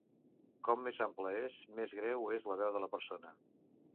Com més ampla és, més greu és la veu de la persona.